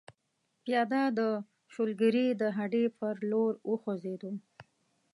پیاده د شولګرې د هډې پر لور وخوځېدو.